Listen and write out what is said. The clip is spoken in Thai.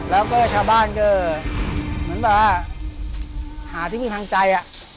แล้วก็ชาวบ้านก็เหมือนแบบว่าหาที่ทางใจ